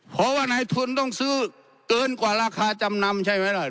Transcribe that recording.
เพราะว่านายทุนต้องซื้อเกินกว่าราคาจำนำใช่ไหมล่ะ